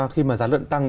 khi mà giá lợn tăng